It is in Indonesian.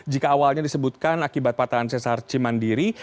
jika awalnya disebutkan akibat patahan sesar cimandiri